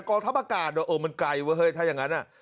กองทัพอากาศน่ะโอ้โฮมันไกลอ่ะเฮ้ยถ้าอย่างนั้นน่ะ